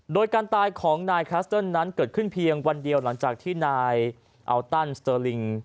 โดยการตายของนายคลัสเติ้ลนั้นเกิดขึ้นเพียงวันเดียวหลังจากที่นายอัลตันสเตอร์ลิง